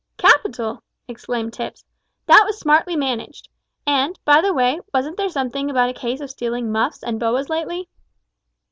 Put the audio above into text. "Capital," exclaimed Tipps, "that was smartly managed. And, by the way, wasn't there something about a case of stealing muffs and boas lately?"